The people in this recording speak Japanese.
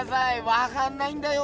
わかんないんだよ